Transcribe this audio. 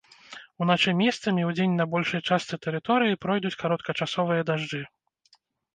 Уначы месцамі, удзень на большай частцы тэрыторыі пройдуць кароткачасовыя дажджы.